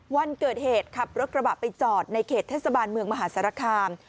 วันเกิดเหตุขับรถกระบะไปจอดในเขตเทศบาลเมืองมหาสารคาม